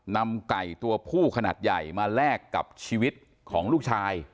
นำไก่ตัวผู้ขนาดใหญ่มาแลกกับชีวิตของลูกชาย